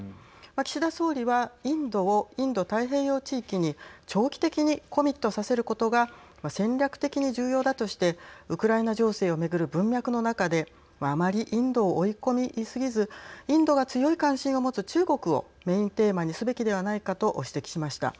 岸田総理はインドをインド太平洋地域に長期的にコミットさせることが戦略的に重要だとしてウクライナ情勢をめぐる文脈の中であまりインドを追い込み過ぎずインドが強い関心を持つ中国をメインテーマにすべきでないかと指摘しました。